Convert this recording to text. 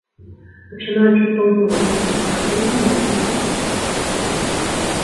Пачынаючы з паўднёва-заходніх раёнаў, маразы будуць паступова слабець.